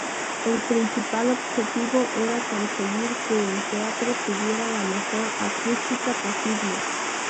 El principal objetivo era conseguir que el teatro tuviera la mejor acústica posible.